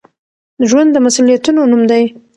ژوند د مسؤليتونو نوم دی.